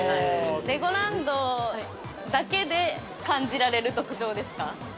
◆レゴランドだけで感じられる特徴ですか。